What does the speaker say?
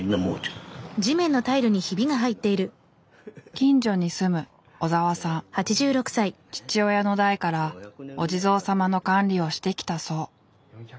近所に住む父親の代からお地蔵さまの管理をしてきたそう。